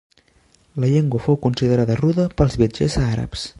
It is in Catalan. La llengua fou considerada rude pels viatgers àrabs.